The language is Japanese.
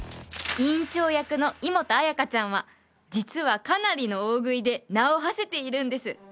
［委員長役の井本彩花ちゃんは実はかなりの大食いで名をはせているんです］